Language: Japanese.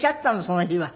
その日は。